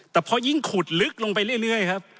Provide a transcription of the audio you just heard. แต่พอยิ่งขุดลึกลงไปเรื่อยครับ